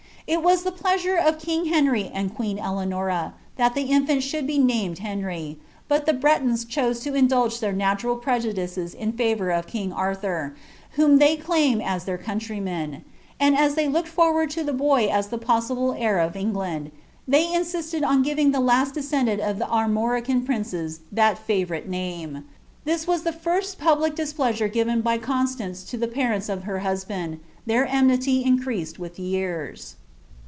" It wnii the pleasure of king Henry and queen ^eanonlhli Uie infant should be named Henry ; but l)ic Bretons rJio«e to lodi^ tikeir natural prejudices in &voiir of kin^ .Arthur, whom they tiumU tlieir countryman ; and as they liKikcd forward to the boy as the posaitili beir of England, they insisted on giviitg the lost descendant of the At' morican princea that favourite name. This was the lirst public dtsplo wire given by Constance to the parents of her husband ; their cniniir increased with years."